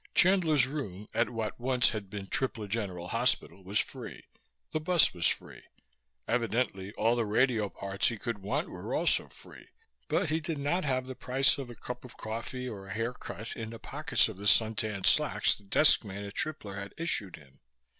Chandler's room at what once had been Tripler General Hospital was free; the bus was free; evidently all the radio parts he could want were also free. But he did not have the price of a cup of coffee or a haircut in the pockets of the suntan slacks the desk man at Tripler had issued him.